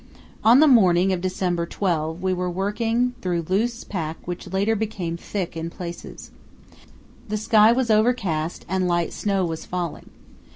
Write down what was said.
On the morning of December 12 we were working through loose pack which later became thick in places. The sky was overcast and light snow was falling.